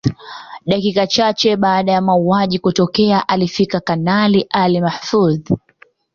Dakika chache baada ya mauaji kutokea alifika Kanali Ali Mahfoudhi